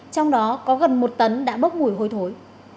trong đó có gần một tấn đã bốc mùi hôi thối